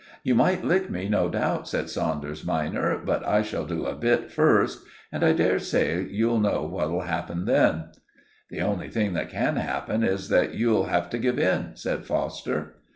"You might lick me, no doubt," said Saunders minor. "But I shall do a bit first: and I dare say you'll know what'll happen then." "The only thing that can happen is that you'll have to give in," said Foster.